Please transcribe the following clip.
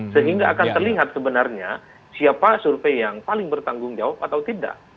sehingga akan terlihat sebenarnya siapa survei yang paling bertanggung jawab atau tidak